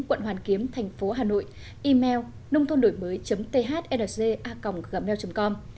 quận hoàn kiếm thành phố hà nội email nôngthonđổimới thnza gmail com